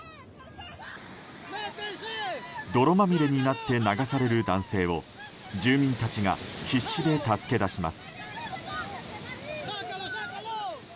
泥まみれになって流される男性を住民たちが必死で助け出します。